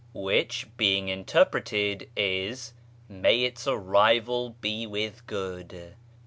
Which being interpreted is —" May its arrival be with good